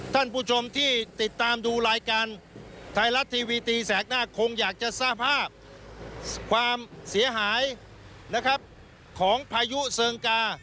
ท่านผู้ชมที่ติดตามดูรายการไทยรัฐทีวีตีแสกหน้าคงอยากจะทราบภาพความเสียหายนะครับของพายุเซิงกา